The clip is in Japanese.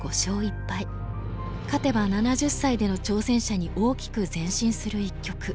勝てば７０歳での挑戦者に大きく前進する一局。